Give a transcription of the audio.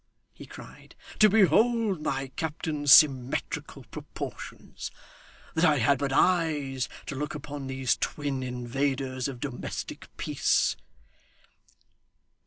he cried, 'to behold my captain's symmetrical proportions! That I had but eyes, to look upon these twin invaders of domestic peace!